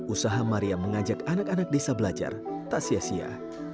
usaha maria mengajak anak anak desa belajar tak sia sia